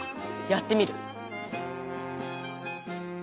やってみる。